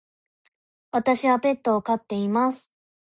私はペットを飼っています。